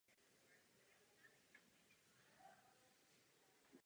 V přízemí jsou na stěně zachované zbytky nosníků krbu.